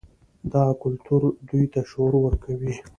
دا کلتور دوی ته شعور ورکوي.